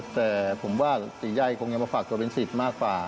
แต่ผมว่าตีใยคงยังมาฝากตัวเป็นสิทธิ์มากกว่า